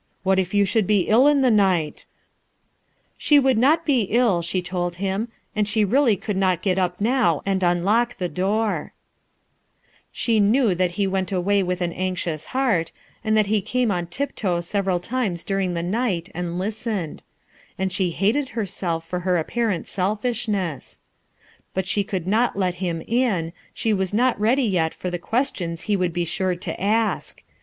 What if you should be ill in the night?" She would not be ill, she told Iiim, and «lie really could not get up now and unlock the tloor, Khe knew that he went away with an anx ious heart, and that he came on tiptoe neveral times during the night and listened; and fthc hated herself for her apparent eclfiafaijesft Hut she could not let him in, hIio was not ready yet for the questions lie would lx) nurc to u.sk.